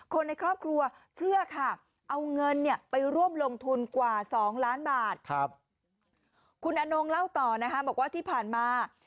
คุณอนงเล่าต่อบอกว่าที่ผ่านมา